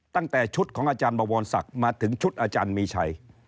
ตั้งแต่ชุดของอาจารย์บวรศักดิ์มาถึงชุดอาจารย์มีชัย